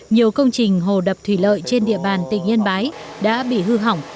nhiều công trình hồ đập thủy lợi trên địa bàn tỉnh yên bái đã bị hư hỏng